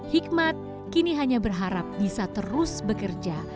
hikmat kini hanya berharap bisa terus bekerja